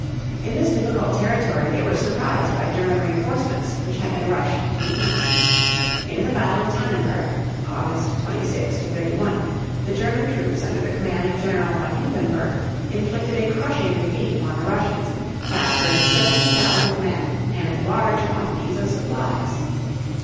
In this difficult territory they were surprised by German reinforcements which had been rushed to the east. In the battle of Tan´nenberg (August 26 31), the German troops under the command of General von Hindenburg inflicted a crushing defeat upon the Russians, capturing 70,000 men and large quantities of supplies.